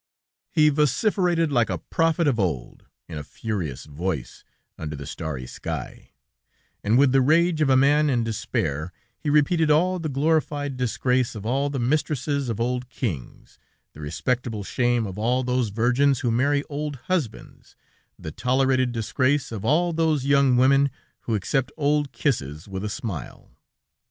He vociferated like a prophet of old, in a furious voice, under the starry sky, and with the rage of a man in despair, he repeated all the glorified disgrace of all the mistresses of old kings, the respectable shame of all those virgins who marry old husbands, the tolerated disgrace of all those young women who accept old kisses with a smile.